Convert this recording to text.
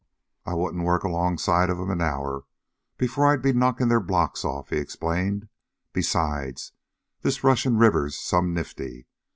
"I couldn't work alongside of 'em an hour before I'd be knockin' their blocks off," he explained. "Besides, this Russian River's some nifty.